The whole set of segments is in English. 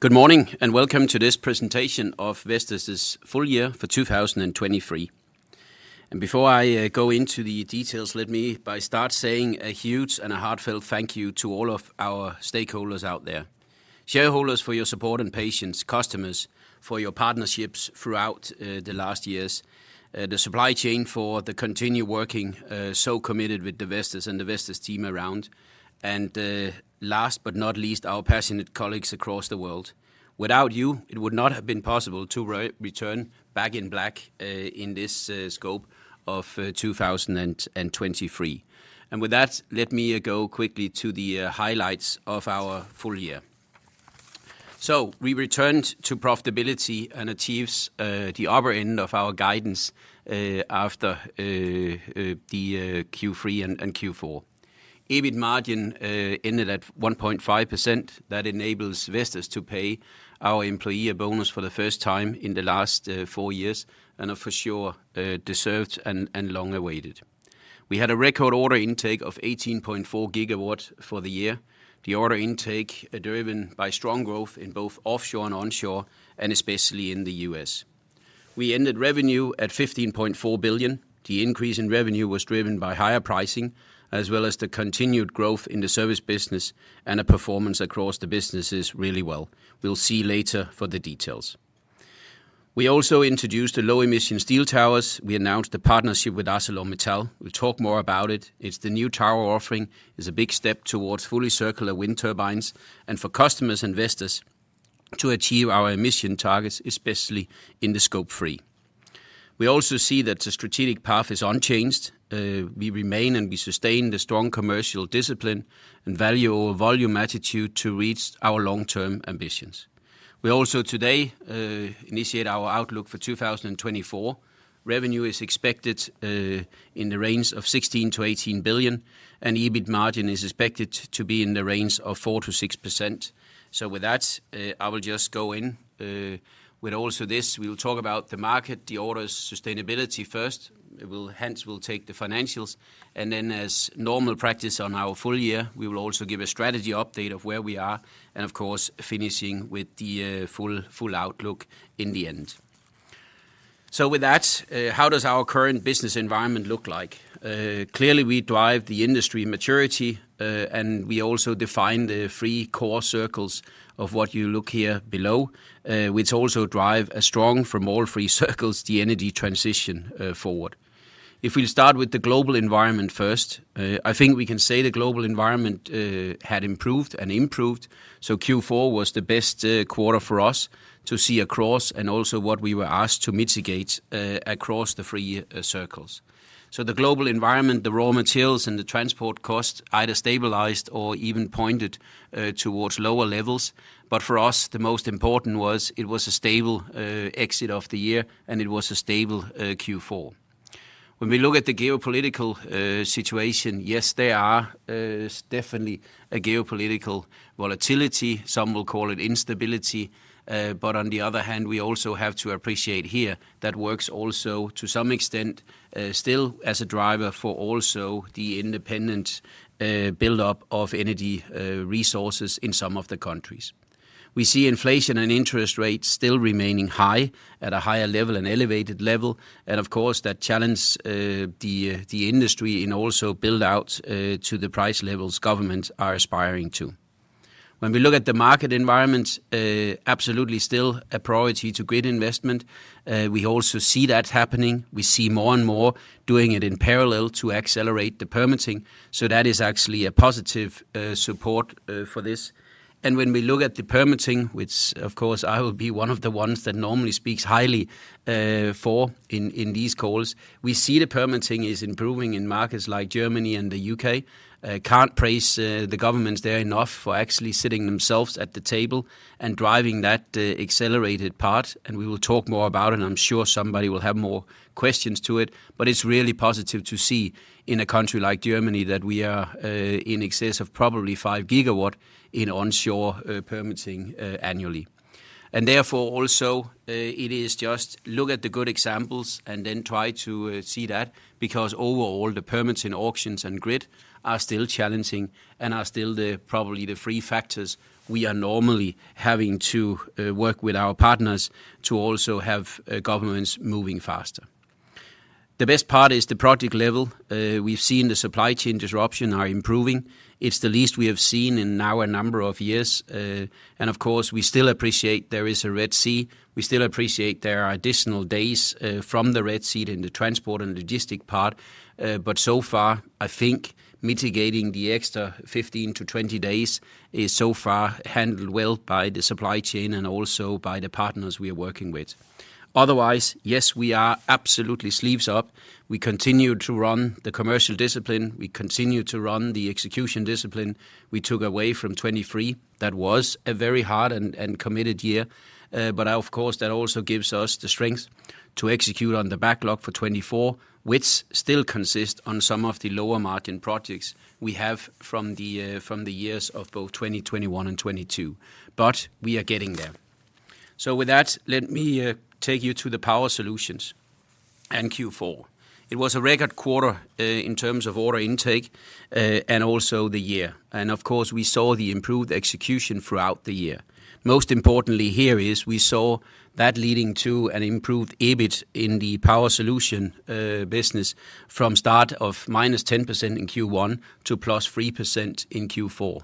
Good morning, and welcome to this presentation of Vestas' full year 2023. Before I go into the details, let me start by saying a huge and heartfelt thank you to all of our stakeholders out there. Shareholders, for your support and patience, customers, for your partnerships throughout the last years, the supply chain for the continued working so committed with Vestas and the Vestas team around, and last but not least, our passionate colleagues across the world. Without you, it would not have been possible to return back in black in this scope of 2023. With that, let me go quickly to the highlights of our full year. So we returned to profitability and achieves the upper end of our guidance after the Q3 and Q4. EBIT margin ended at 1.5%. That enables Vestas to pay our employee a bonus for the first time in the last four years, and are for sure deserved and long awaited. We had a record order intake of 18.4 GW for the year. The order intake are driven by strong growth in both offshore and onshore, and especially in the U.S. We ended revenue at 15.4 billion. The increase in revenue was driven by higher pricing, as well as the continued growth in the service business and a performance across the businesses really well. We'll see later for the details. We also introduced the low-emission steel towers. We announced a partnership with ArcelorMittal. We'll talk more about it. It's the new tower offering is a big step towards fully circular wind turbines and for customers and investors to achieve our emission targets, especially in the Scope 3. We also see that the strategic path is unchanged. We remain and we sustain the strong commercial discipline and value or volume attitude to reach our long-term ambitions. We also today initiate our outlook for 2024. Revenue is expected in the range of 16 billion-18 billion, and EBIT margin is expected to be in the range of 4%-6%. So with that, I will just go in with also this, we will talk about the market, the orders, sustainability first. We'll hence, we'll take the financials, and then, as normal practice on our full year, we will also give a strategy update of where we are, and of course, finishing with the, full, full outlook in the end. So with that, how does our current business environment look like? Clearly, we drive the industry maturity, and we also define the three core circles of what you look here below, which also drive a strong from all three circles, the energy transition, forward. If we'll start with the global environment first, I think we can say the global environment, had improved and improved, so Q4 was the best quarter for us to see across and also what we were asked to mitigate, across the three circles. The global environment, the raw materials and the transport costs either stabilized or even pointed towards lower levels. But for us, the most important was it was a stable exit of the year, and it was a stable Q4. When we look at the geopolitical situation, yes, there are definitely a geopolitical volatility. Some will call it instability, but on the other hand, we also have to appreciate here that works also to some extent still as a driver for also the independent buildup of energy resources in some of the countries. We see inflation and interest rates still remaining high, at a higher level and elevated level, and of course, that challenge the industry in also build out to the price levels governments are aspiring to. When we look at the market environment, absolutely still a priority to grid investment. We also see that happening. We see more and more doing it in parallel to accelerate the permitting, so that is actually a positive support for this. And when we look at the permitting, which of course I will be one of the ones that normally speaks highly for in these calls, we see the permitting is improving in markets like Germany and the UK. Can't praise the governments there enough for actually sitting themselves at the table and driving that accelerated part, and we will talk more about it. I'm sure somebody will have more questions to it, but it's really positive to see in a country like Germany that we are in excess of probably 5 GW in onshore permitting annually. And therefore, also, it is just look at the good examples and then try to, see that, because overall, the permits and auctions and grid are still challenging and are still the probably the three factors we are normally having to, work with our partners to also have, governments moving faster. The best part is the project level. We've seen the supply chain disruption are improving. It's the least we have seen in now a number of years. And of course, we still appreciate there is a Red Sea. We still appreciate there are additional days, from the Red Sea in the transport and logistic part, but so far, I think mitigating the extra 15-20 days is so far handled well by the supply chain and also by the partners we are working with. Otherwise, yes, we are absolutely sleeves up. We continue to run the commercial discipline. We continue to run the execution discipline we took away from 2023. That was a very hard and committed year, but of course, that also gives us the strength to execute on the backlog for 2024, which still consists on some of the lower-margin projects we have from the years of both 2021 and 2022. But we are getting there.... So with that, let me take you to the Power Solutions and Q4. It was a record quarter in terms of order intake and also the year. And of course, we saw the improved execution throughout the year. Most importantly here is we saw that leading to an improved EBIT in the Power Solutions business from start of -10% in Q1 to +3% in Q4.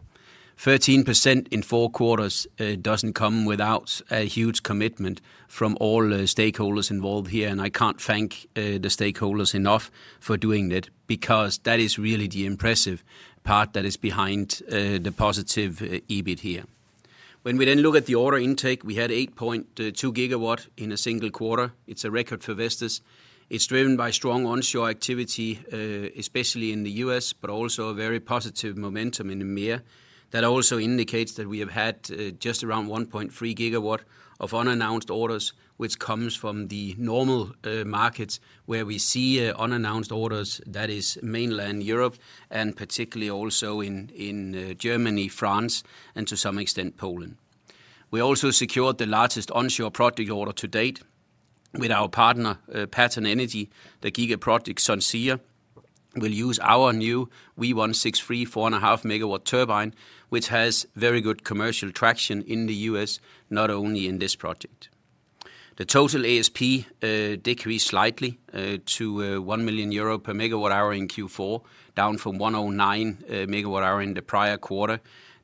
13% in four quarters doesn't come without a huge commitment from all the stakeholders involved here, and I can't thank the stakeholders enough for doing that, because that is really the impressive part that is behind the positive EBIT here. When we then look at the order intake, we had 8.2 GW in a single quarter. It's a record for Vestas. It's driven by strong onshore activity, especially in the U.S., but also a very positive momentum in EMEA. That also indicates that we have had just around 1.3 GW of unannounced orders, which comes from the normal markets, where we see unannounced orders. That is mainland Europe and particularly also in, in, Germany, France, and to some extent, Poland. We also secured the largest onshore project order to date with our partner, Pattern Energy. The SunZia project will use our new V163-4.5 MW turbine, which has very good commercial traction in the U.S., not only in this project. The total ASP decreased slightly to 1 million euro per MW in Q4, down from 1.09 million per MW in the prior quarter.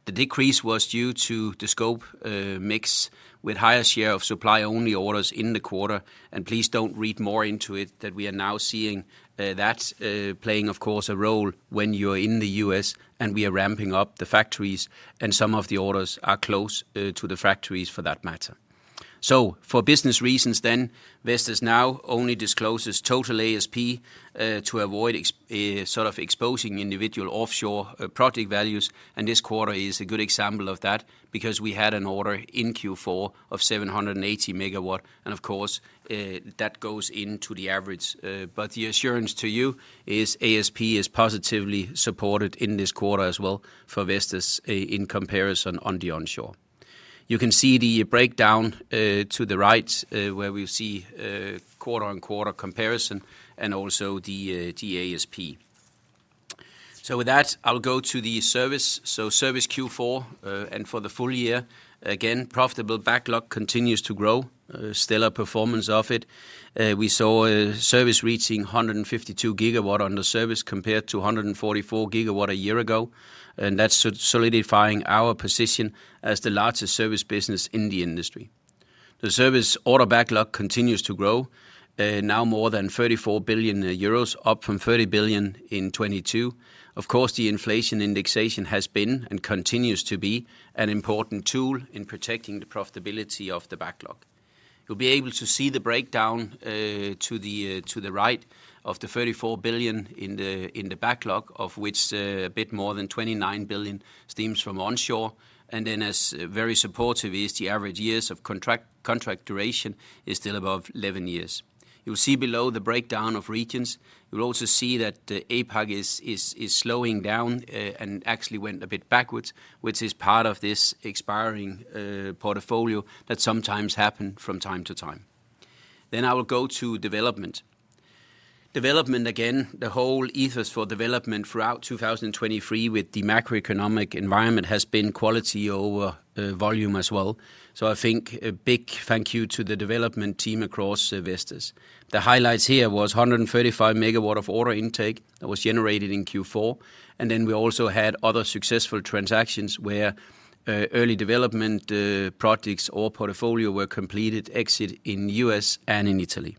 The decrease was due to the scope, mix with higher share of supply-only orders in the quarter, and please don't read more into it, that we are now seeing that playing, of course, a role when you are in the U.S. and we are ramping up the factories, and some of the orders are close to the factories for that matter. So for business reasons then, Vestas now only discloses total ASP to avoid sort of exposing individual offshore project values. And this quarter is a good example of that, because we had an order in Q4 of 780 MW, and of course that goes into the average. But the assurance to you is ASP is positively supported in this quarter as well for Vestas in comparison on the onshore. You can see the breakdown to the right where we see quarter-on-quarter comparison and also the ASP. So with that, I'll go to the service. So service Q4 and for the full year, again, profitable backlog continues to grow, stellar performance of it. We saw service reaching 152 GW on the service, compared to 144 GW a year ago, and that's solidifying our position as the largest service business in the industry. The service order backlog continues to grow, now more than 34 billion euros, up from 30 billion in 2022. Of course, the inflation indexation has been and continues to be an important tool in protecting the profitability of the backlog. You'll be able to see the breakdown, to the right of the 34 billion in the backlog, of which a bit more than 29 billion stems from onshore, and then as very supportive is the average years of contract, contract duration is still above 11 years. You'll see below the breakdown of regions. You'll also see that APAC is slowing down and actually went a bit backwards, which is part of this expiring portfolio that sometimes happen from time to time. Then I will go to development. Development, again, the whole ethos for development throughout 2023 with the macroeconomic environment, has been quality over volume as well. So I think a big thank you to the development team across Vestas. The highlights here was 135 MW of order intake that was generated in Q4, and then we also had other successful transactions where early development projects or portfolio were completed, exit in U.S. and in Italy.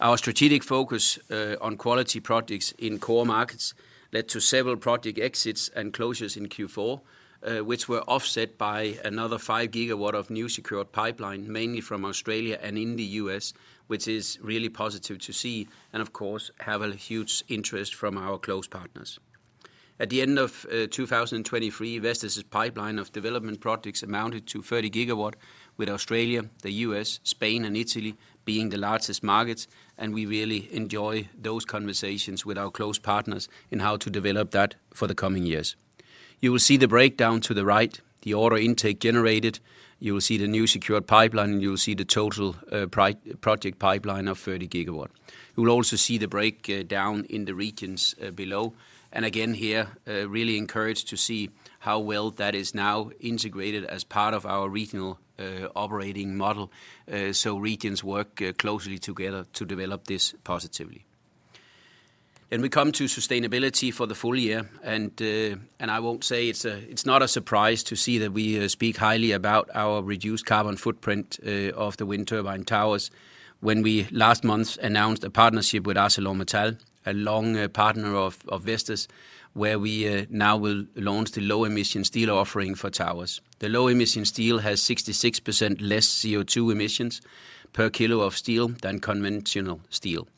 Our strategic focus on quality projects in core markets led to several project exits and closures in Q4, which were offset by another 5 GW of new secured pipeline, mainly from Australia and in the U.S., which is really positive to see and of course, have a huge interest from our close partners. At the end of 2023, Vestas' pipeline of development projects amounted to 30 GW, with Australia, the U.S., Spain, and Italy being the largest markets, and we really enjoy those conversations with our close partners in how to develop that for the coming years. You will see the breakdown to the right, the order intake generated. You will see the new secured pipeline, and you will see the total project pipeline of 30 GW. You will also see the breakdown in the regions below, and again, here, really encouraged to see how well that is now integrated as part of our regional operating model. So regions work closely together to develop this positively. Then we come to sustainability for the full year, and I won't say it's not a surprise to see that we speak highly about our reduced carbon footprint of the wind turbine towers. When we last month announced a partnership with ArcelorMittal, a long partner of Vestas, where we now will launch the low-emission steel offering for towers. The low-emission steel has 66% less CO2 emissions per kilo of steel than conventional steel.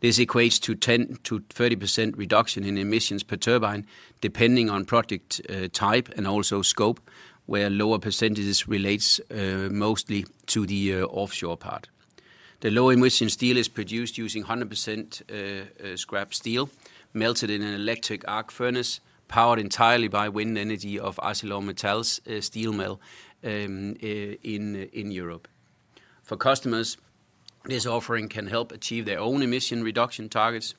This equates to 10%-30% reduction in emissions per turbine, depending on project, type and also scope, where lower percentages relates, mostly to the, offshore part. The low emission steel is produced using 100% scrap steel, melted in an electric arc furnace, powered entirely by wind energy of ArcelorMittal's steel mill, in Europe. For customers, this offering can help achieve their own emission reduction targets,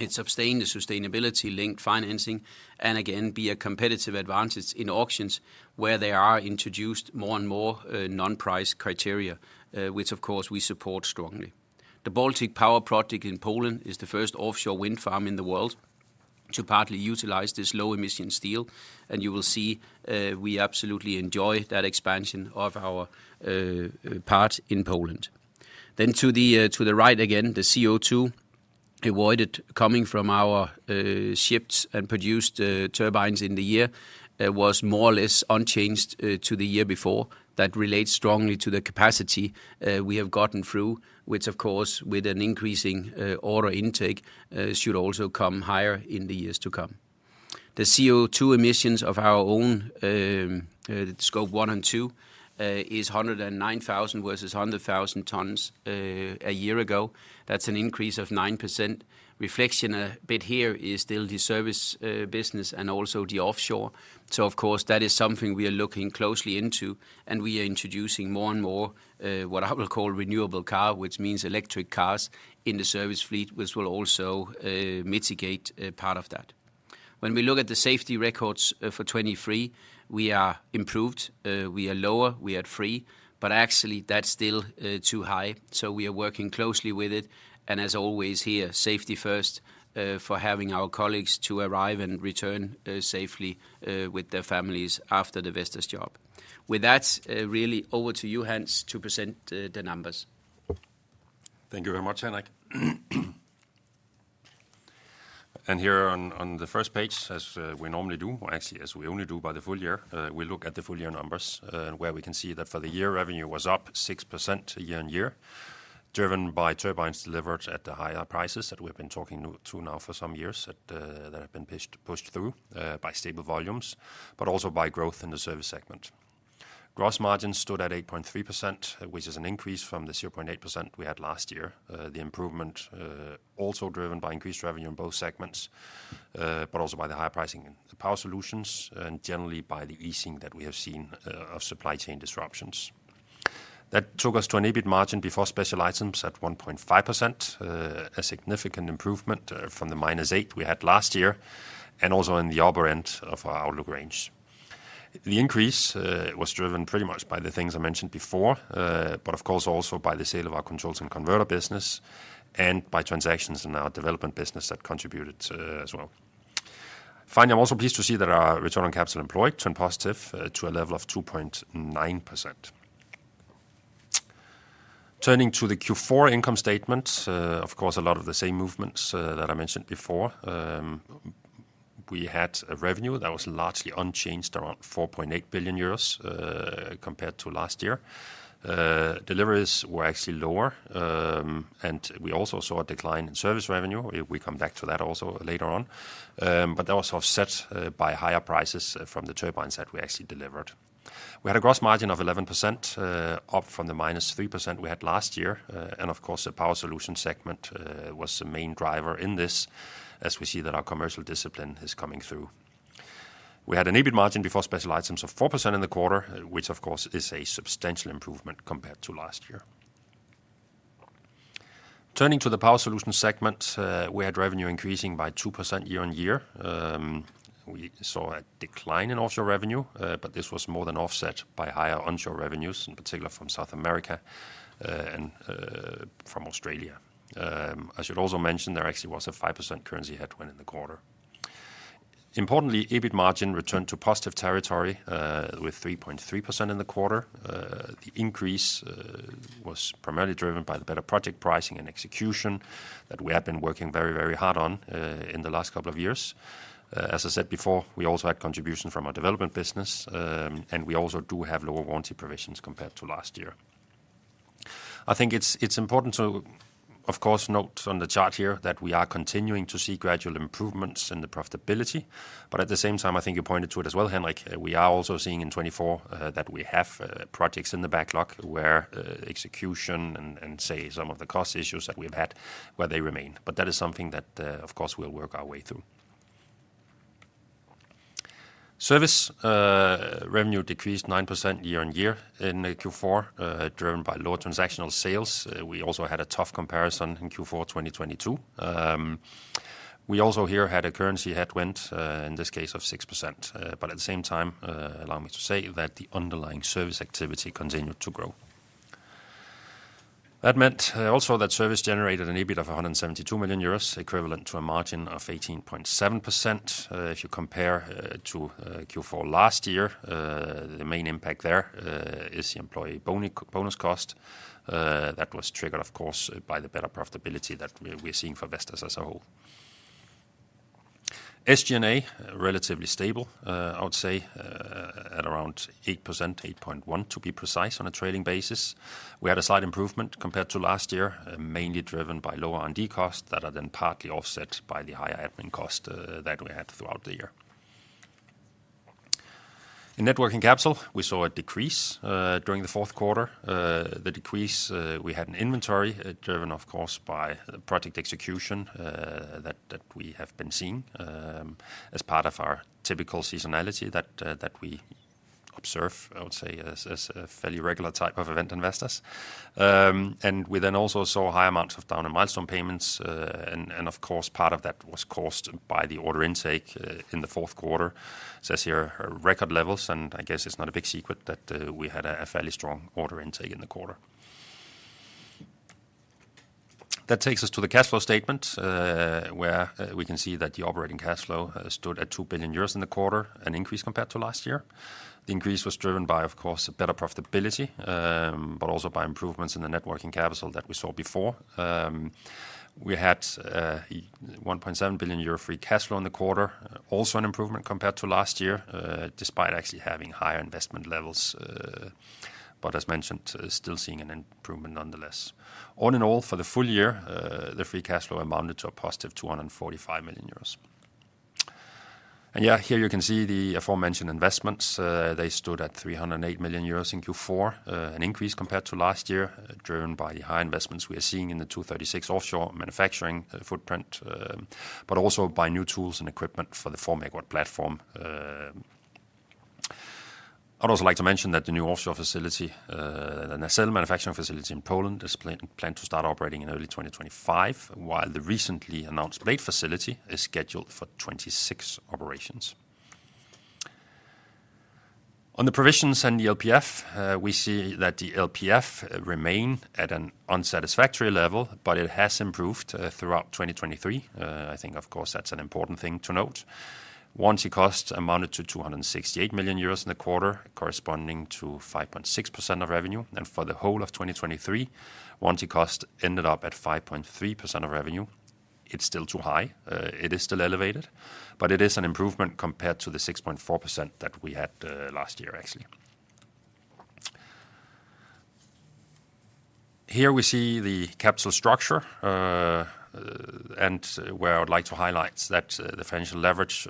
and sustain the sustainability-linked financing, and again, be a competitive advantage in auctions where they are introduced more and more, non-price criteria, which of course we support strongly. The Baltic Power project in Poland is the first offshore wind farm in the world to partly utilize this low-emission steel, and you will see, we absolutely enjoy that expansion of our, part in Poland. Then to the, to the right again, the CO2 avoided coming from our, ships and produced, turbines in the year, was more or less unchanged, to the year before. That relates strongly to the capacity, we have gotten through, which of course, with an increasing, order intake, should also come higher in the years to come. The CO2 emissions of our own, Scope 1 and 2, is 109,000 versus 100,000 tons, a year ago. That's an increase of 9%. Reflection a bit here is still the service, business and also the offshore. So of course, that is something we are looking closely into, and we are introducing more and more, what I will call renewable car, which means electric cars in the service fleet, which will also, mitigate, part of that. When we look at the safety records, for 2023, we are improved, we are lower, we are three, but actually, that's still, too high, so we are working closely with it, and as always, here, safety first, for having our colleagues to arrive and return safely, with their families after the Vestas job. With that, really over to you, Hans, to present, the numbers. Thank you very much, Henrik. And here on the first page, as we normally do, well, actually, as we only do by the full year, we look at the full year numbers, where we can see that for the year, revenue was up 6% year-on-year, driven by turbines delivered at the higher prices that we've been talking to now for some years, that have been pushed through, by stable volumes, but also by growth in the Service segment. Gross margin stood at 8.3%, which is an increase from the 0.8% we had last year. The improvement also driven by increased revenue in both segments, but also by the higher pricing in the Power Solutions, and generally by the easing that we have seen of supply chain disruptions. That took us to an EBIT margin before special items at 1.5%, a significant improvement, from the -8% we had last year, and also in the upper end of our outlook range. The increase, was driven pretty much by the things I mentioned before, but of course, also by the sale of our Controls and Converter business, and by transactions in our Development business that contributed, as well. Finally, I'm also pleased to see that our return on capital employed turned positive, to a level of 2.9%. Turning to the Q4 income statement, of course, a lot of the same movements, that I mentioned before. We had a revenue that was largely unchanged, around 4.8 billion euros, compared to last year. Deliveries were actually lower, and we also saw a decline in service revenue. We come back to that also later on. But that was offset by higher prices from the turbines that we actually delivered. We had a gross margin of 11%, up from the -3% we had last year. And of course, the Power Solutions segment was the main driver in this, as we see that our commercial discipline is coming through. We had an EBIT margin before special items of 4% in the quarter, which of course is a substantial improvement compared to last year. Turning to the Power Solutions segment, we had revenue increasing by 2% year-on-year. We saw a decline in offshore revenue, but this was more than offset by higher onshore revenues, in particular from South America, and from Australia. I should also mention there actually was a 5% currency headwind in the quarter. Importantly, EBIT margin returned to positive territory, with 3.3% in the quarter. The increase was primarily driven by the better project pricing and execution that we have been working very, very hard on, in the last couple of years. As I said before, we also had contribution from our development business, and we also do have lower warranty provisions compared to last year. I think it's important to, of course, note on the chart here that we are continuing to see gradual improvements in the profitability, but at the same time, I think you pointed to it as well, Henrik, we are also seeing in 2024 that we have projects in the backlog where execution and say, some of the cost issues that we've had, where they remain. But that is something that, of course, we'll work our way through. Service revenue decreased 9% year-on-year in Q4, driven by lower transactional sales. We also had a tough comparison in Q4 2022. We also here had a currency headwind in this case of 6%. But at the same time, allow me to say that the underlying service activity continued to grow. That meant also that service generated an EBIT of 172 million euros, equivalent to a margin of 18.7%. If you compare to Q4 last year, the main impact there is the employee bonus cost. That was triggered, of course, by the better profitability that we're seeing for Vestas as a whole. SG&A, relatively stable, I would say, at around 8%, 8.1, to be precise, on a trailing basis. We had a slight improvement compared to last year, mainly driven by lower R&D costs that are then partly offset by the higher admin cost that we had throughout the year. In net working capital, we saw a decrease during the fourth quarter. The decrease we had in inventory, driven, of course, by the project execution, that we have been seeing, as part of our typical seasonality that we observe, I would say, as a fairly regular type of event investors. And we then also saw high amounts of down and milestone payments, and, of course, part of that was caused by the order intake in the fourth quarter. Says here, record levels, and I guess it's not a big secret that we had a fairly strong order intake in the quarter. That takes us to the cash flow statement, where we can see that the operating cash flow stood at 2 billion euros in the quarter, an increase compared to last year. The increase was driven by, of course, better profitability, but also by improvements in the net working capital that we saw before. We had 1.7 billion euro free cash flow in the quarter, also an improvement compared to last year, despite actually having higher investment levels, but as mentioned, still seeing an improvement nonetheless. All in all, for the full year, the free cash flow amounted to a positive 245 million euros. And yeah, here you can see the aforementioned investments. They stood at 308 million euros in Q4, an increase compared to last year, driven by high investments we are seeing in the 236 offshore manufacturing footprint, but also by new tools and equipment for the 4 MW platform. I'd also like to mention that the new offshore facility, the nacelle manufacturing facility in Poland, is planned to start operating in early 2025, while the recently announced blade facility is scheduled for 2026 operations. On the provisions and the LPF, we see that the LPF remains at an unsatisfactory level, but it has improved throughout 2023. I think, of course, that's an important thing to note. Warranty costs amounted to 268 million euros in the quarter, corresponding to 5.6% of revenue, and for the whole of 2023, warranty cost ended up at 5.3% of revenue. It's still too high, it is still elevated, but it is an improvement compared to the 6.4% that we had last year, actually. Here we see the capital structure, and where I would like to highlight that, the financial leverage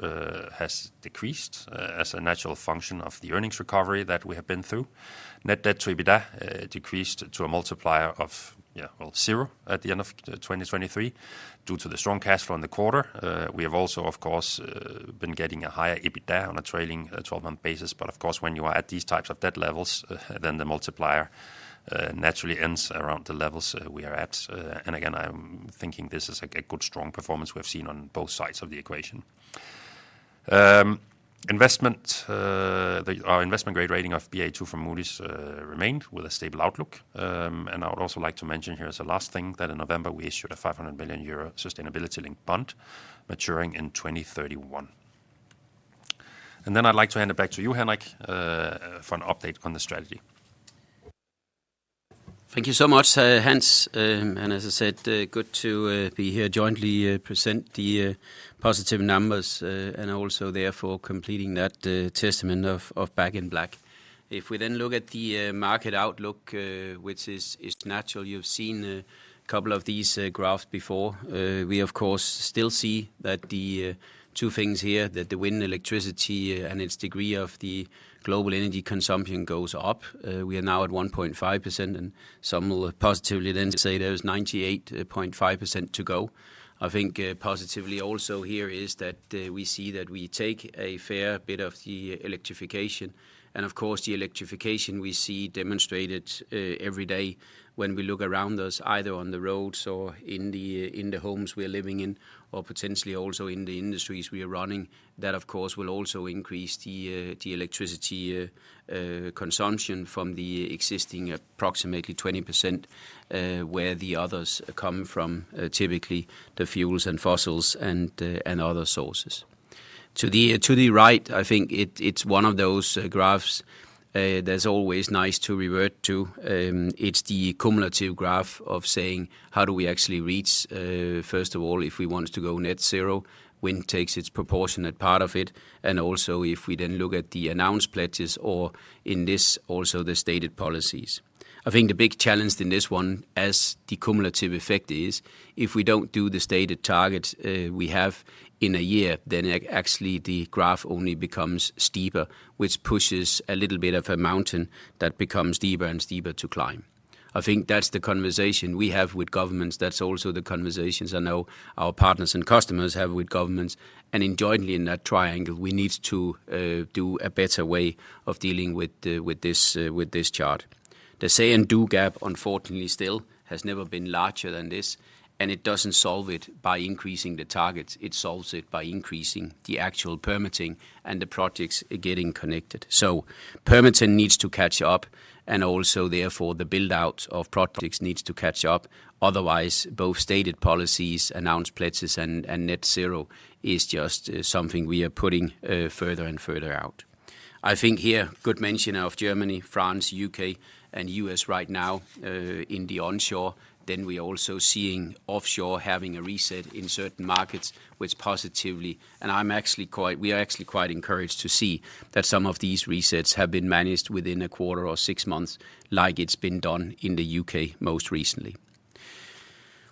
has decreased as a natural function of the earnings recovery that we have been through. Net debt to EBITDA decreased to a multiplier of, yeah, well, 0 at the end of 2023, due to the strong cash flow in the quarter. We have also, of course, been getting a higher EBITDA on a trailing 12-month basis. But of course, when you are at these types of debt levels, then the multiplier naturally ends around the levels we are at. And again, I'm thinking this is, like, a good, strong performance we have seen on both sides of the equation. Our investment grade rating of Baa2 from Moody's remained with a stable outlook. And I would also like to mention here as a last thing, that in November, we issued a 500 million euro sustainability-linked bond maturing in 2031. And then I'd like to hand it back to you, Henrik, for an update on the strategy. Thank you so much, Hans. As I said, good to be here jointly present the positive numbers, and also therefore completing that testament of back in black. If we then look at the market outlook, which is natural, you've seen a couple of these graphs before. We of course still see that the two things here, that the wind electricity and its degree of the global energy consumption goes up. We are now at 1.5%, and some will positively then say there is 98.5% to go. I think, positively also here is that, we see that we take a fair bit of the electrification, and of course, the electrification we see demonstrated, every day when we look around us, either on the roads or in the, in the homes we are living in, or potentially also in the industries we are running, that, of course, will also increase the, the electricity consumption from the existing approximately 20%, where the others come from, typically the fuels and fossils and, and other sources. To the, to the right, I think it, it's one of those, graphs, that's always nice to revert to. It's the cumulative graph of saying: How do we actually reach, first of all, if we want to go net zero, wind takes its proportionate part of it, and also if we then look at the announced pledges, or in this, also the stated policies. I think the big challenge in this one, as the cumulative effect is, if we don't do the stated targets we have in a year, then actually the graph only becomes steeper, which pushes a little bit of a mountain that becomes steeper and steeper to climb. I think that's the conversation we have with governments. That's also the conversations I know our partners and customers have with governments, and jointly in that triangle, we need to do a better way of dealing with this chart. The say and do gap, unfortunately, still has never been larger than this, and it doesn't solve it by increasing the targets. It solves it by increasing the actual permitting and the projects getting connected. So permitting needs to catch up, and also, therefore, the build-out of projects needs to catch up. Otherwise, both stated policies, announced pledges, and net zero is just something we are putting further and further out. I think here, good mention of Germany, France, U.K., and U.S. right now in the onshore. Then we're also seeing offshore having a reset in certain markets, which positively, and we are actually quite encouraged to see that some of these resets have been managed within a quarter or six months, like it's been done in the U.K. most recently.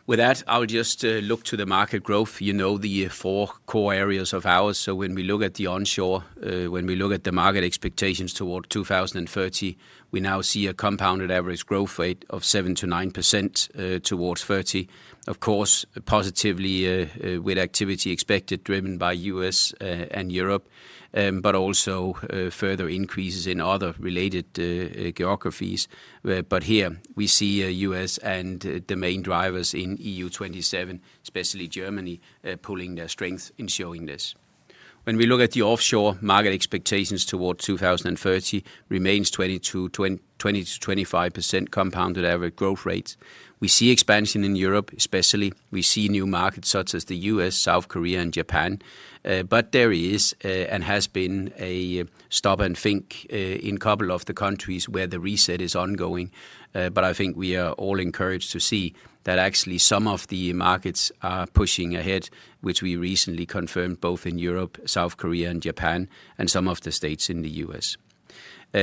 With that, I'll just look to the market growth, you know, the four core areas of ours. So when we look at the onshore, when we look at the market expectations toward 2030, we now see a compounded average growth rate of 7%-9%, towards 2030. Of course, positively, with activity expected, driven by U.S. and Europe, but also further increases in other related geographies. But here we see U.S. and the main drivers in EU-27, especially Germany, pulling their strength in showing this. When we look at the offshore market expectations toward 2030, remains 20%-25% compounded average growth rate. We see expansion in Europe especially. We see new markets such as the U.S., South Korea, and Japan. But there is, and has been a stop and think, in couple of the countries where the reset is ongoing. But I think we are all encouraged to see that actually some of the markets are pushing ahead, which we recently confirmed both in Europe, South Korea, and Japan, and some of the states in the U.S.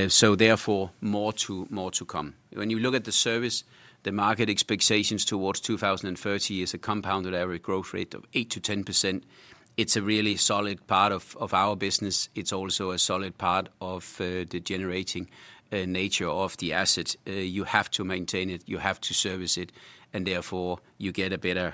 So therefore, more to, more to come. When you look at the service, the market expectations towards 2030 is a compounded average growth rate of 8%-10%. It's a really solid part of, of our business. It's also a solid part of, the generating nature of the assets. You have to maintain it, you have to service it, and therefore, you get a better,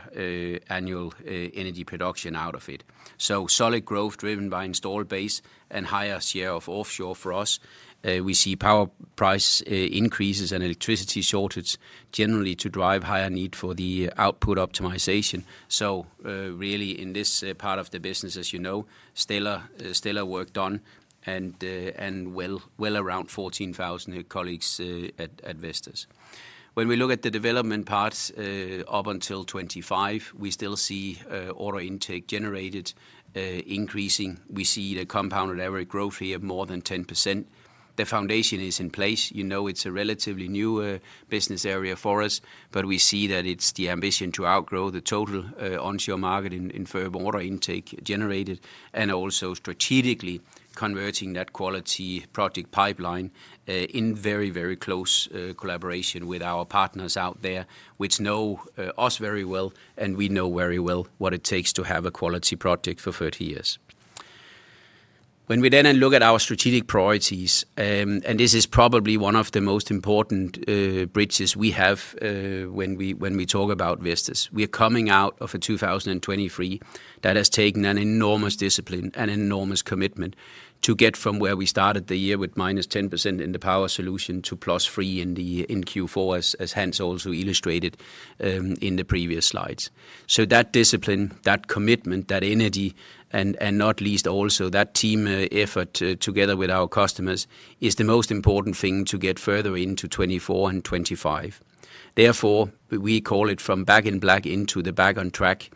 annual, energy production out of it. So solid growth driven by installed base and higher share of offshore for us. We see power price increases and electricity shortage generally to drive higher need for the output optimization. So, really, in this part of the business, as you know, stellar, stellar work done and, and well, well around 14,000 colleagues at Vestas. When we look at the development parts up until 25, we still see order intake generated increasing. We see the compounded average growth here more than 10%. The foundation is in place. You know, it's a relatively new business area for us, but we see that it's the ambition to outgrow the total onshore market in further order intake generated, and also strategically converting that quality project pipeline in very, very close collaboration with our partners out there, which know us very well, and we know very well what it takes to have a quality project for 30 years. When we then look at our strategic priorities, and this is probably one of the most important bridges we have, when we talk about Vestas. We are coming out of a 2023 that has taken an enormous discipline and enormous commitment to get from where we started the year with -10% in the Power Solutions to +3% in Q4, as Hans also illustrated in the previous slides. So that discipline, that commitment, that energy, and not least also that team effort together with our customers, is the most important thing to get further into 2024 and 2025. Therefore, we call it from Back in Black into the Back on Track.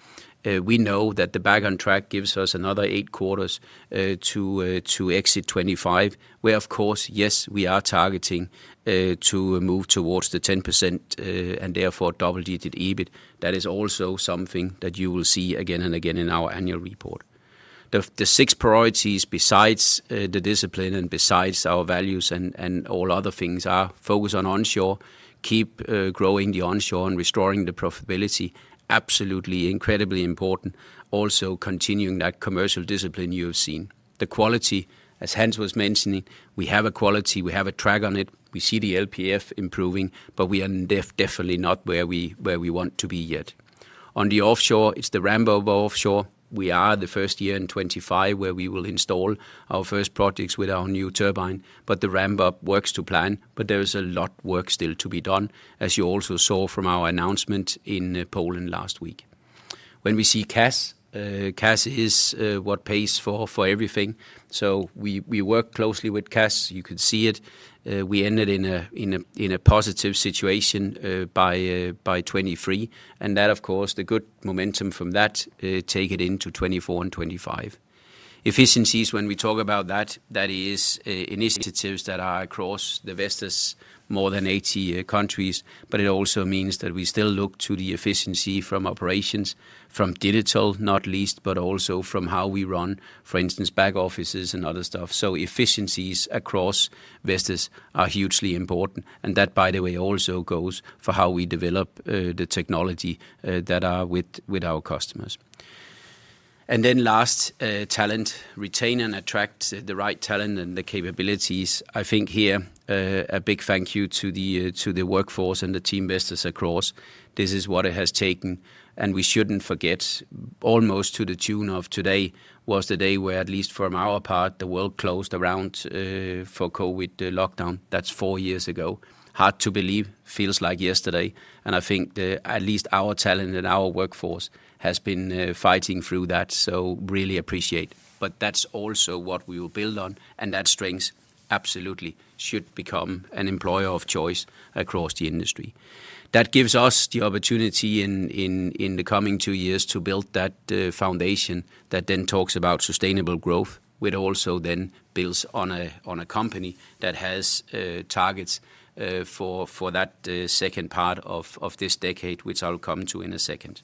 We know that the Back on Track gives us another eight quarters to exit 2025, where of course, yes, we are targeting to move towards the 10%, and therefore double-digit EBIT. That is also something that you will see again and again in our annual report. The six priorities besides the discipline and besides our values and all other things are focus on onshore, keep growing the onshore and restoring the profitability. Absolutely incredibly important. Also, continuing that commercial discipline you have seen. The quality, as Hans was mentioning, we have a quality, we have a track on it, we see the LPF improving, but we are definitely not where we want to be yet. On the offshore, it's the ramp-up offshore. We are the first year in 25, where we will install our first products with our new turbine, but the ramp-up works to plan. But there is a lot of work still to be done, as you also saw from our announcement in Poland last week. When we see cash, cash is what pays for everything, so we work closely with cash. You can see it. We ended in a positive situation by 2023, and that, of course, the good momentum from that take it into 2024 and 2025. Efficiencies, when we talk about that, that is initiatives that are across the Vestas more than 80 countries, but it also means that we still look to the efficiency from operations, from digital, not least, but also from how we run, for instance, back offices and other stuff. So efficiencies across Vestas are hugely important, and that, by the way, also goes for how we develop the technology that are with our customers. And then last, talent. Retain and attract the right talent and the capabilities. I think here, a big thank you to the, to the workforce and the team Vestas across. This is what it has taken, and we shouldn't forget, almost to the tune of today, was the day where, at least from our part, the world closed around, for COVID, lockdown. That's four years ago. Hard to believe, feels like yesterday, and I think the—at least our talent and our workforce has been, fighting through that, so really appreciate. But that's also what we will build on, and that strength absolutely should become an employer of choice across the industry. That gives us the opportunity in the coming two years to build that foundation, that then talks about sustainable growth, which also then builds on a company that has targets for that second part of this decade, which I'll come to in a second.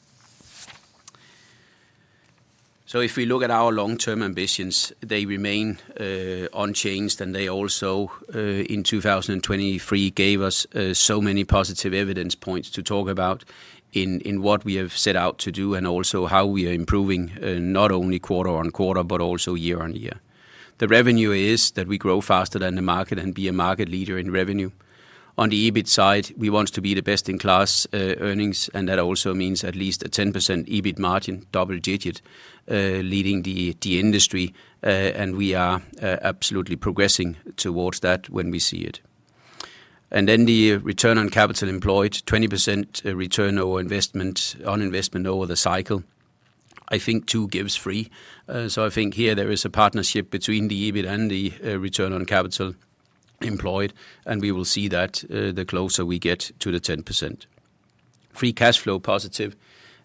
So if we look at our long-term ambitions, they remain unchanged, and they also in 2023 gave us so many positive evidence points to talk about in what we have set out to do, and also how we are improving not only quarter-on-quarter, but also year-on-year. The revenue is that we grow faster than the market and be a market leader in revenue. On the EBIT side, we want to be the best-in-class earnings, and that also means at least a 10% EBIT margin, double-digit, leading the, the industry. And we are absolutely progressing towards that when we see it. And then the return on capital employed, 20%, return over investment, on investment over the cycle. I think two gives three. So I think here there is a partnership between the EBIT and the return on capital employed, and we will see that, the closer we get to the 10%. Free cash flow positive,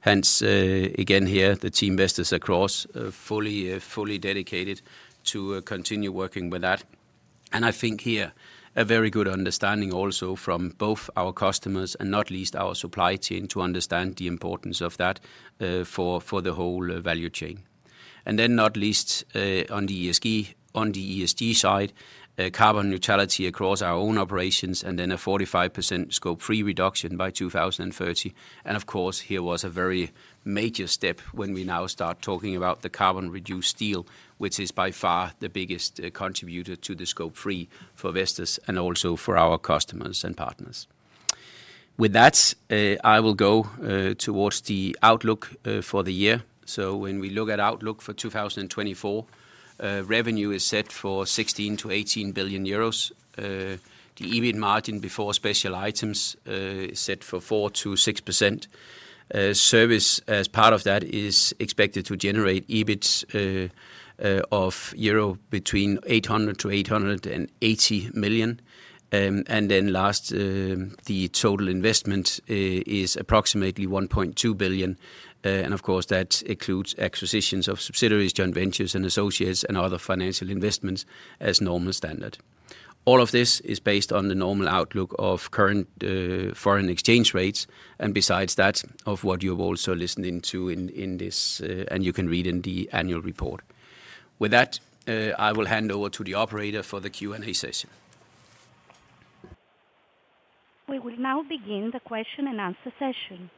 hence, again, here, the team Vestas across, fully, fully dedicated to continue working with that. I think here, a very good understanding also from both our customers and not least our supply chain, to understand the importance of that, for the whole value chain. And then not least, on the ESG, on the ESG side, carbon neutrality across our own operations, and then a 45% Scope 3 reduction by 2030. And of course, here was a very major step when we now start talking about the carbon-reduced steel, which is by far the biggest contributor to the Scope 3 for Vestas and also for our customers and partners. With that, I will go towards the outlook for the year. So when we look at outlook for 2024, revenue is set for 16 billion-18 billion euros. The EBIT margin before special items is set for 4%-6%. Service, as part of that, is expected to generate EBITs of between 800 million-880 million euro. Then last, the total investment is approximately 1.2 billion. Of course, that includes acquisitions of subsidiaries, joint ventures, and associates, and other financial investments as normal standard. All of this is based on the normal outlook of current foreign exchange rates, and besides that, of what you're also listening to in this, and you can read in the annual report. With that, I will hand over to the operator for the Q&A session. We will now begin the question-and-answer session.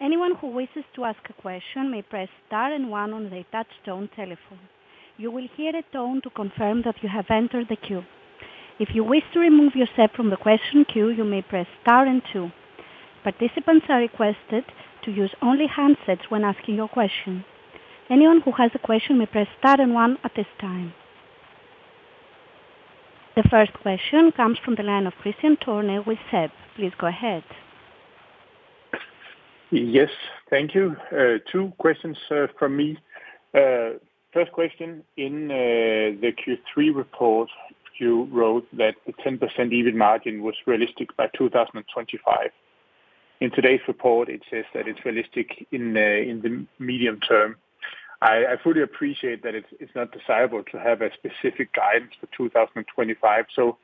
Anyone who wishes to ask a question may press star and one on their touch tone telephone. You will hear a tone to confirm that you have entered the queue. If you wish to remove yourself from the question queue, you may press star and two. Participants are requested to use only handsets when asking your question. Anyone who has a question may press star and one at this time. The first question comes from the line of Kristian Tornoe with SEB. Please go ahead. Yes, thank you. Two questions from me. First question, in the Q3 report, you wrote that the 10% EBIT margin was realistic by 2025. In today's report, it says that it's realistic in the medium term. I fully appreciate that it's not desirable to have a specific guidance for 2025. So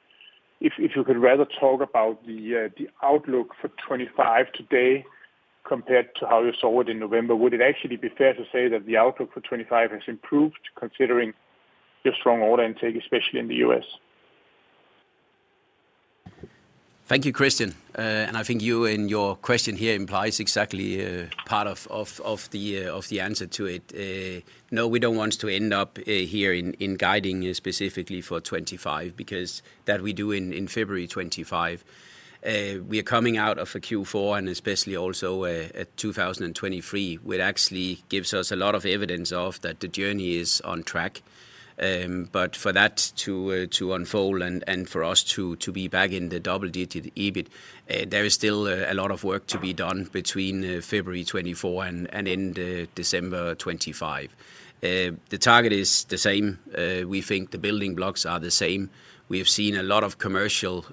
if you could rather talk about the outlook for 2025 today compared to how you saw it in November, would it actually be fair to say that the outlook for 2025 has improved, considering your strong order intake, especially in the U.S.? Thank you, Kristian. And I think you, in your question here, implies exactly part of the answer to it. No, we don't want to end up here in guiding you specifically for 25, because that we do in February 2025. We are coming out of a Q4, and especially also a 2023, which actually gives us a lot of evidence that the journey is on track. But for that to unfold and for us to be back in the double-digit EBIT, there is still a lot of work to be done between February 2024 and end of December 2025. The target is the same. We think the building blocks are the same. We have seen a lot of commercial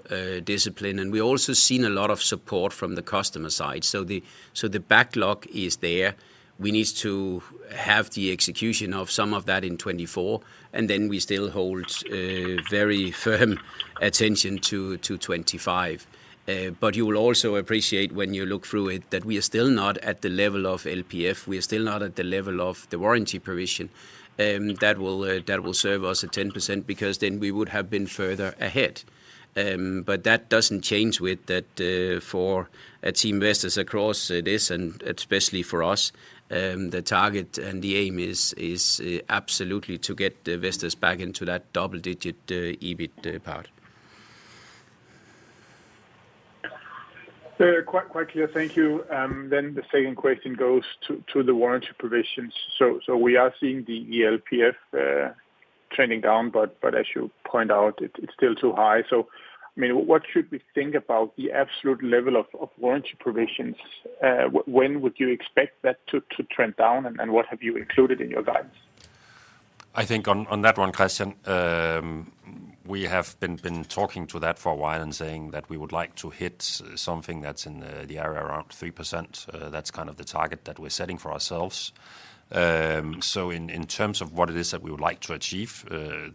discipline, and we also seen a lot of support from the customer side. So the, so the backlog is there. We need to have the execution of some of that in 2024, and then we still hold very firm attention to 2025. But you will also appreciate, when you look through it, that we are still not at the level of LPF. We are still not at the level of the warranty provision that will serve us at 10%, because then we would have been further ahead. But that doesn't change with that for Team Vestas across this, and especially for us, the target and the aim is absolutely to get the Vestas back into that double-digit EBIT part. Quite clear, thank you. Then the second question goes to the warranty provisions. So we are seeing the ELPF trending down, but as you point out, it's still too high. So, I mean, what should we think about the absolute level of warranty provisions? When would you expect that to trend down, and what have you included in your guidance?... I think on that one, Kristian, we have been talking to that for a while and saying that we would like to hit something that's in the area around 3%. That's kind of the target that we're setting for ourselves. So in terms of what it is that we would like to achieve,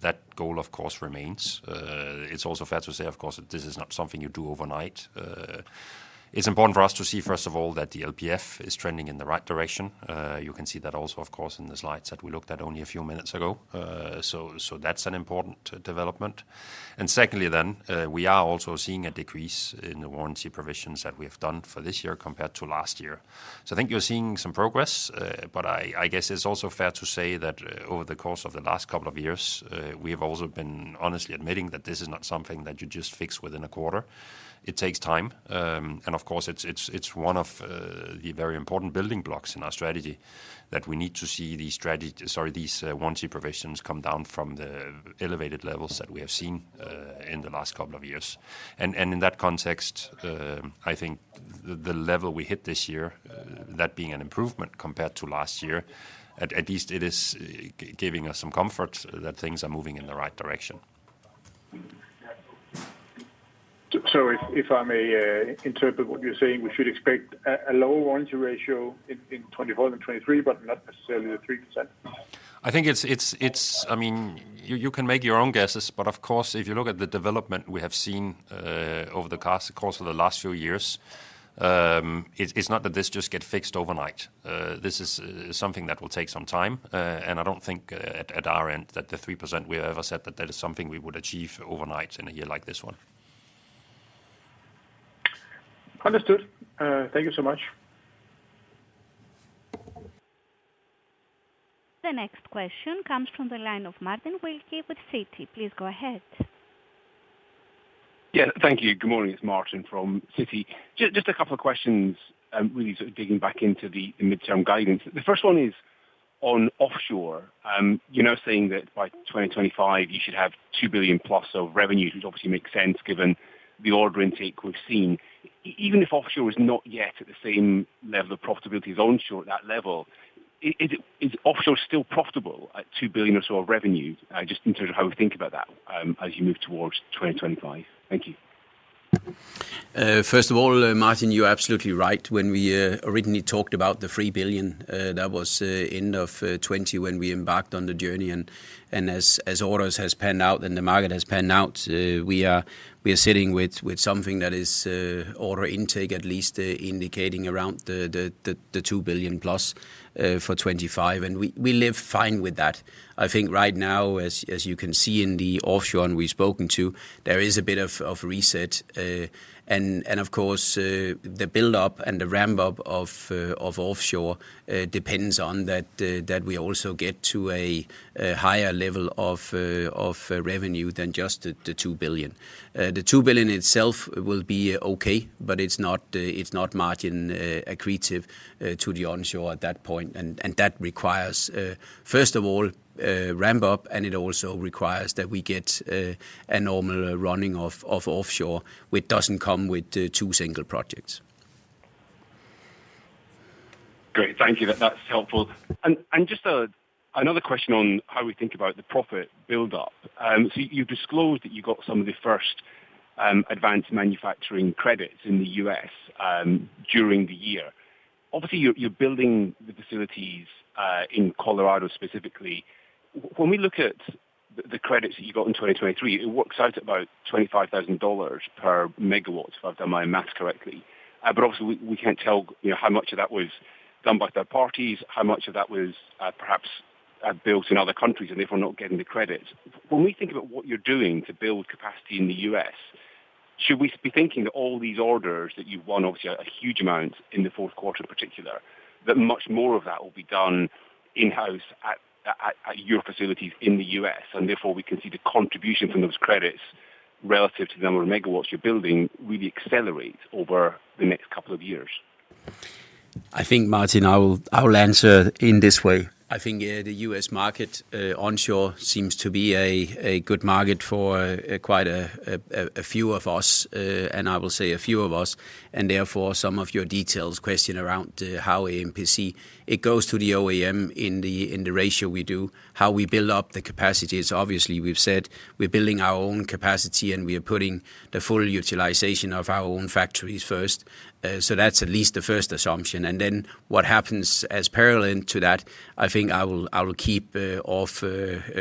that goal, of course, remains. It's also fair to say, of course, that this is not something you do overnight. It's important for us to see, first of all, that the ELPF is trending in the right direction. You can see that also, of course, in the slides that we looked at only a few minutes ago. So that's an important development. Secondly, then, we are also seeing a decrease in the warranty provisions that we have done for this year compared to last year. So I think you're seeing some progress, but I guess it's also fair to say that over the course of the last couple of years, we have also been honestly admitting that this is not something that you just fix within a quarter. It takes time and of course, it's one of the very important building blocks in our strategy, that we need to see these warranty provisions come down from the elevated levels that we have seen in the last couple of years. In that context, I think the level we hit this year, that being an improvement compared to last year, at least it is giving us some comfort that things are moving in the right direction. So if I may interpret what you're saying, we should expect a low warranty ratio in 2024 and 2023, but not necessarily the 3%? I think it's—I mean, you can make your own guesses, but of course, if you look at the development we have seen over the course of the last few years, it's not that this just get fixed overnight. This is something that will take some time, and I don't think at our end, that the 3% we ever said that that is something we would achieve overnight in a year like this one. Understood. Thank you so much. The next question comes from the line of Martin Wilkie with Citi. Please go ahead. Yeah, thank you. Good morning, it's Martin from Citi. Just, just a couple of questions, really sort of digging back into the midterm guidance. The first one is on offshore. You know, saying that by 2025, you should have 2+ billion of revenues, which obviously makes sense given the order intake we've seen. Even if offshore is not yet at the same level of profitability as onshore at that level, is offshore still profitable at 2 billion or so of revenue? Just in terms of how we think about that, as you move towards 2025. Thank you. First of all, Martin, you're absolutely right. When we originally talked about the 3 billion, that was end of 2020 when we embarked on the journey, and as orders has panned out and the market has panned out, we are sitting with something that is order intake, at least, indicating around the 2+ billion for 2025. And we live fine with that. I think right now, as you can see in the offshore and we've spoken to, there is a bit of reset. And of course, the buildup and the ramp-up of offshore depends on that that we also get to a higher level of revenue than just the 2 billion. The 2 billion itself will be okay, but it's not Martin accretive to the onshore at that point. And that requires first of all ramp-up, and it also requires that we get a normal running of offshore, which doesn't come with the 2 single projects. Great. Thank you. That's helpful. And just another question on how we think about the profit buildup. So you've disclosed that you got some of the first advanced manufacturing credits in the U.S. during the year. Obviously, you're building the facilities in Colorado, specifically. When we look at the credits that you got in 2023, it works out at about $25,000 per megawatt, if I've done my math correctly. But also we can't tell, you know, how much of that was done by third parties, how much of that was perhaps built in other countries, and therefore not getting the credit. When we think about what you're doing to build capacity in the U.S., should we be thinking that all these orders that you've won, obviously a huge amount in the fourth quarter in particular, that much more of that will be done in-house at your facilities in the U.S., and therefore, we can see the contribution from those credits relative to the number of megawatts you're building, really accelerate over the next couple of years? I think, Martin, I will answer in this way. I think the U.S. market onshore seems to be a good market for quite a few of us, and I will say a few of us, and therefore, some of your detailed question around how AMPC it goes to the OEM in the ratio we do, how we build up the capacities. Obviously, we've said we're building our own capacity, and we are putting the full utilization of our own factories first. So that's at least the first assumption. And then, what happens as parallel to that, I think I will keep off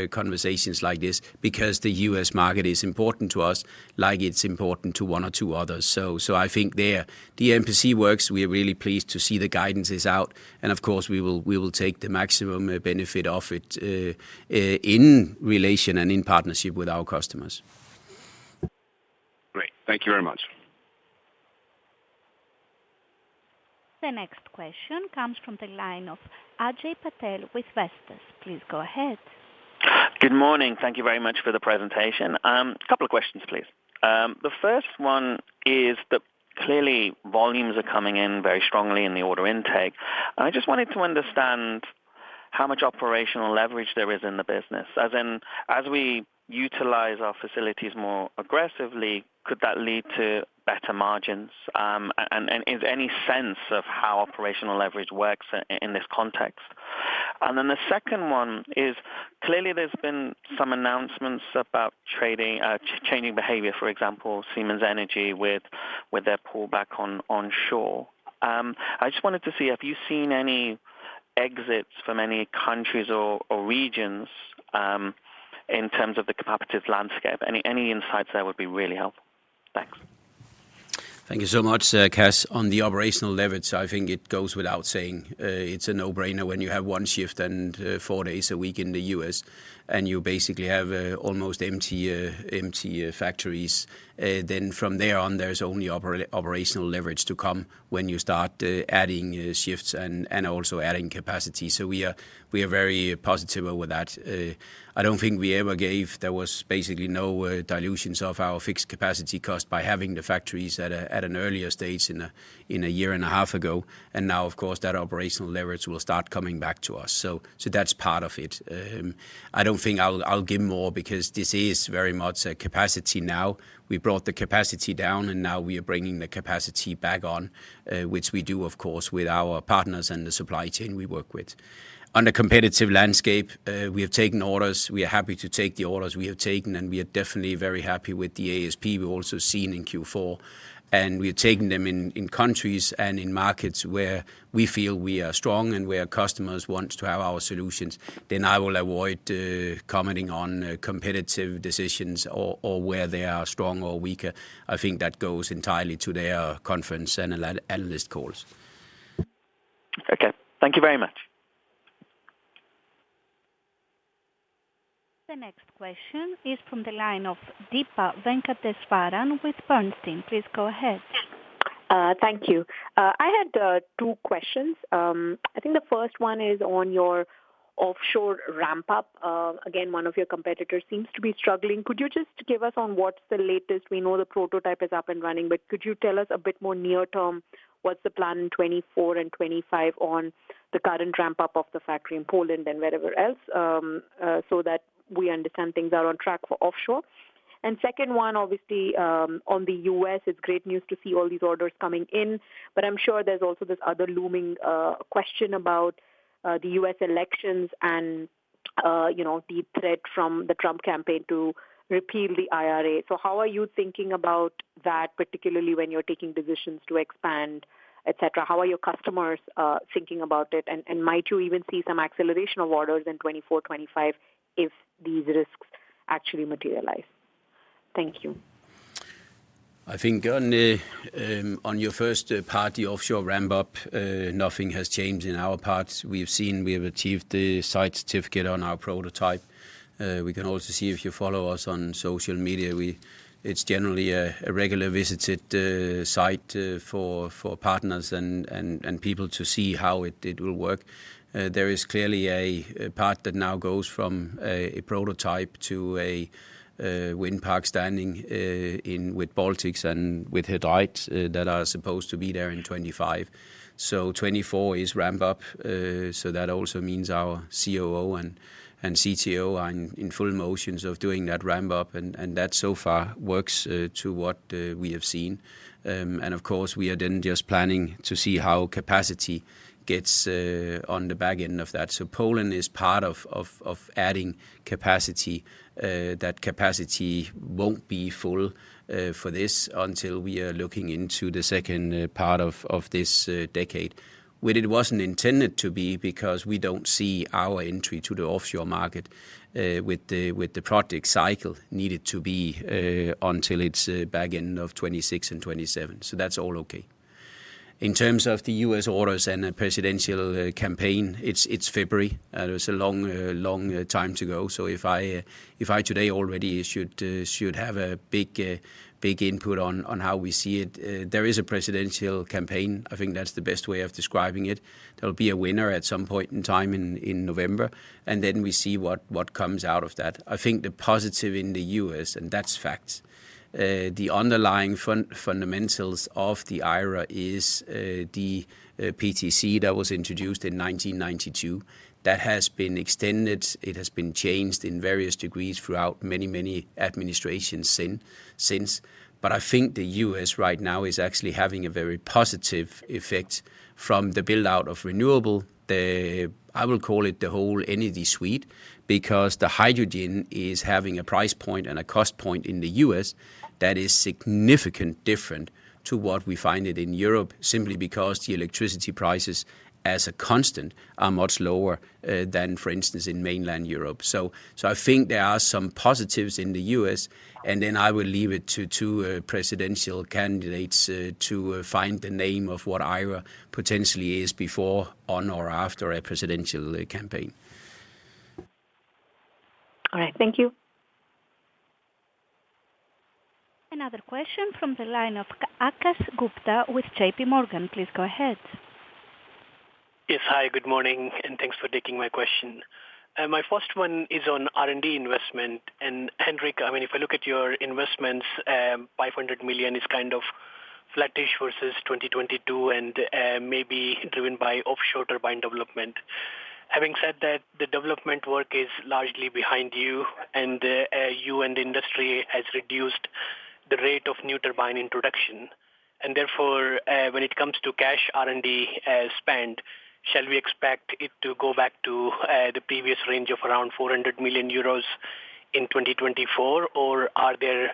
conversations like this because the U.S. market is important to us, like it's important to one or two others. So I think there, the AMPC works. We are really pleased to see the guidance is out, and of course, we will take the maximum benefit of it, in relation and in partnership with our customers. Great. Thank you very much. The next question comes from the line of Ajay Patel with Goldman Sachs. Please go ahead. Good morning. Thank you very much for the presentation. A couple of questions, please. The first one is that clearly, volumes are coming in very strongly in the order intake. I just wanted to understand how much operational leverage there is in the business. As in, as we utilize our facilities more aggressively, could that lead to better margins? And is any sense of how operational leverage works in this context? And then the second one is, clearly there's been some announcements about trading, changing behavior, for example, Siemens Energy, with their pullback on onshore. I just wanted to see, have you seen any exits from any countries or regions in terms of the competitive landscape? Any insights there would be really helpful. Thanks. Thank you so much, Ajay. On the operational leverage, I think it goes without saying, it's a no-brainer when you have one shift and four days a week in the U.S., and you basically have almost empty factories. Then from there on, there's only operational leverage to come when you start adding shifts and also adding capacity. So we are very positive with that. I don't think we ever gave. There was basically no dilutions of our fixed capacity cost by having the factories at an earlier stage a year and a half ago. And now, of course, that operational leverage will start coming back to us. So that's part of it. I don't think I'll give more because this is very much a capacity now. We brought the capacity down, and now we are bringing the capacity back on, which we do, of course, with our partners and the supply chain we work with. On the competitive landscape, we have taken orders. We are happy to take the orders we have taken, and we are definitely very happy with the ASP we've also seen in Q4. And we have taken them in countries and in markets where we feel we are strong and where customers want to have our solutions. Then I will avoid commenting on competitive decisions or where they are strong or weaker. I think that goes entirely to their conference and analyst calls. Okay, thank you very much. The next question is from the line of Deepa Venkateswaran with Bernstein. Please go ahead. Thank you. I had two questions. I think the first one is on your offshore ramp-up. Again, one of your competitors seems to be struggling. Could you just give us on what's the latest? We know the prototype is up and running, but could you tell us a bit more near term, what's the plan in 2024 and 2025 on the current ramp-up of the factory in Poland and wherever else, so that we understand things are on track for offshore? Second one, obviously, on the U.S., it's great news to see all these orders coming in, but I'm sure there's also this other looming question about the U.S. elections and, you know, the threat from the Trump campaign to repeal the IRA. So how are you thinking about that, particularly when you're taking decisions to expand, et cetera? How are your customers thinking about it? And might you even see some acceleration of orders in 2024, 2025 if these risks actually materialize? Thank you. I think on your first part, the offshore ramp-up, nothing has changed in our part. We have seen, we have achieved the site certificate on our prototype. We can also see if you follow us on social media, it's generally a regular visited site for partners and people to see how it will work. There is clearly a part that now goes from a prototype to a wind park standing in with Baltics and with He Dreiht that are supposed to be there in 2025. So 2024 is ramp up, so that also means our COO and CTO are in full motions of doing that ramp up, and that so far works to what we have seen. And of course, we are then just planning to see how capacity gets on the back end of that. So Poland is part of adding capacity. That capacity won't be full for this until we are looking into the second part of this decade. Well, it wasn't intended to be because we don't see our entry to the offshore market with the project cycle needed to be until it's back end of 2026 and 2027. So that's all okay. In terms of the U.S. orders and the presidential campaign, it's February, there's a long time to go. So if I today already should have a big input on how we see it, there is a presidential campaign. I think that's the best way of describing it. There'll be a winner at some point in time in November, and then we see what comes out of that. I think the positive in the U.S., and that's facts, the underlying fundamentals of the IRA is the PTC that was introduced in 1992. That has been extended, it has been changed in various degrees throughout many, many administrations since. But I think the U.S. right now is actually having a very positive effect from the build-out of renewable, I will call it the whole energy suite, because the hydrogen is having a price point and a cost point in the U.S. that is significant different to what we find it in Europe, simply because the electricity prices as a constant are much lower than, for instance, in mainland Europe. So, I think there are some positives in the U.S., and then I will leave it to two presidential candidates to find the name of what IRA potentially is before, on, or after a presidential campaign. All right. Thank you. Another question from the line of Akash Gupta with JPMorgan. Please go ahead. Yes. Hi, good morning, and thanks for taking my question. My first one is on R&D investment. And Henrik, I mean, if I look at your investments, 500 million is kind of flat-ish versus 2022 and, maybe driven by offshore turbine development. Having said that, the development work is largely behind you, and, you and the industry has reduced the rate of new turbine introduction, and therefore, when it comes to cash R&D, spend, shall we expect it to go back to, the previous range of around 400 million euros in 2024? Or are there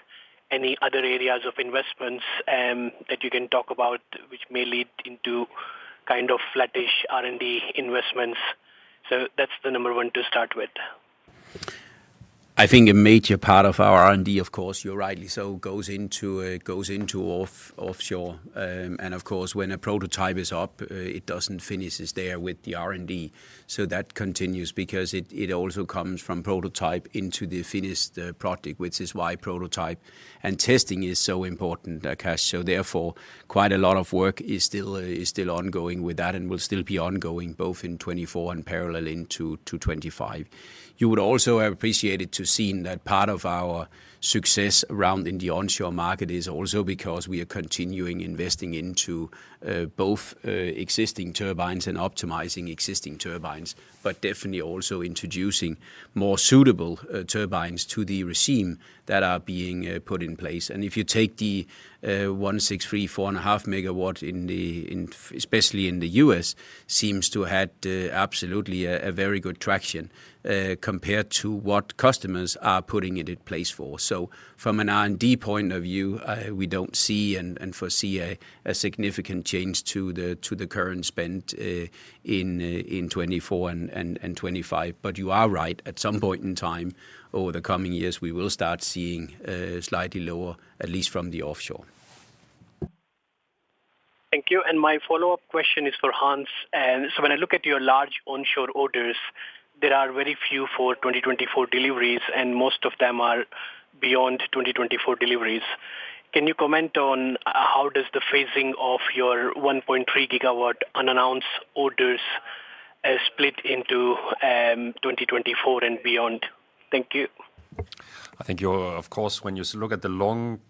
any other areas of investments, that you can talk about, which may lead into kind of flattish R&D investments? So that's the number one to start with. I think a major part of our R&D, of course, you're rightly so, goes into offshore. And of course, when a prototype is up, it doesn't finishes there with the R&D. So that continues because it also comes from prototype into the finished product, which is why prototype and testing is so important, Akash. So therefore, quite a lot of work is still ongoing with that and will still be ongoing both in 2024 and parallel into 2025. You would also have appreciated to seen that part of our success around in the onshore market is also because we are continuing investing into both existing turbines and optimizing existing turbines, but definitely also introducing more suitable turbines to the regime that are being put in place. And if you take the V163-4.5 MW in the, especially in the U.S., seems to had absolutely a very good traction compared to what customers are putting it in place for. So from an R&D point of view, we don't see and foresee a significant change to the current spend in 2024 and 2025. But you are right, at some point in time, over the coming years, we will start seeing slightly lower, at least from the offshore. Thank you. My follow-up question is for Hans. So when I look at your large onshore orders, there are very few for 2024 deliveries, and most of them are beyond 2024 deliveries. Can you comment on how does the phasing of your 1.3 GW unannounced orders split into 2024 and beyond? Thank you. I think you're. Of course, when you look at the longer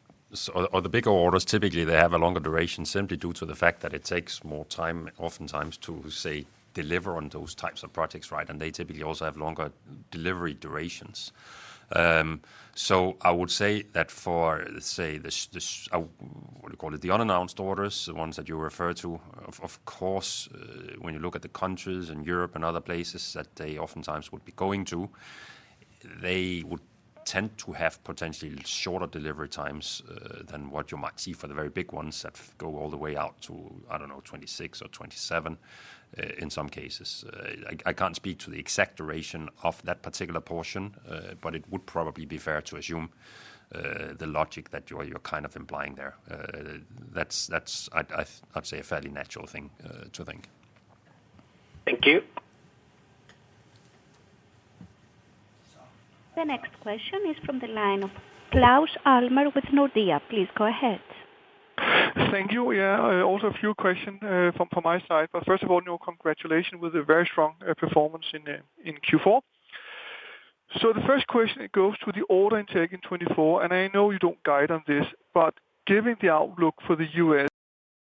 or the bigger orders, typically, they have a longer duration simply due to the fact that it takes more time, oftentimes, to say, deliver on those types of projects, right? And they typically also have longer delivery durations. So I would say that for, let's say, the sh, the sh- what do you call it? The unannounced orders, the ones that you refer to, of course, when you look at the countries in Europe and other places that they oftentimes would be going to, they would tend to have potentially shorter delivery times than what you might see for the very big ones that go all the way out to, I don't know, 26 or 27, in some cases. I can't speak to the exact duration of that particular portion, but it would probably be fair to assume the logic that you're kind of implying there. That's, I'd say, a fairly natural thing to think. Thank you. The next question is from the line of Claus Almer with Nordea. Please go ahead. Thank you. Yeah, also a few questions from my side. But first of all, congratulations with a very strong performance in Q4. So the first question, it goes to the order intake in 2024, and I know you don't guide on this, but given the outlook for the U.S.-